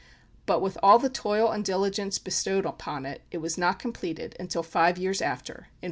But with all the toil and diligence bestowed upon it, it was not completed until five years after, in 1455.